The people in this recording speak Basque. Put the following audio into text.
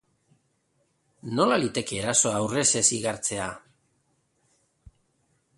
Nola liteke erasoa aurrez ez igartzea?